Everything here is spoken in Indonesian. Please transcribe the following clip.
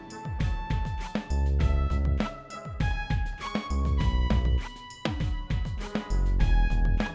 jangan lupa subscribe ya